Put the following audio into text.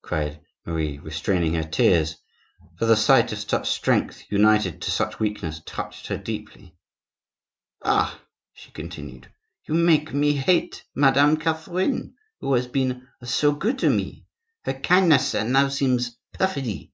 cried Marie, restraining her tears; for the sight of such strength united to such weakness touched her deeply. "Ah!" she continued, "you make me hate Madame Catherine, who has been so good to me; her kindness now seems perfidy.